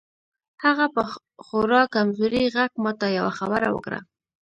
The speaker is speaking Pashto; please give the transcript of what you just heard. هغه په خورا کمزوري غږ ماته یوه خبره وکړه